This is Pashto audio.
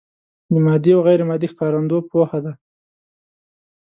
د مادي او غیر مادي ښکارندو پوهه ده.